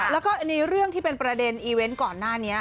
แล้วก็ในเรื่องที่เป็นประเด็นอีเวนต์ก่อนหน้านี้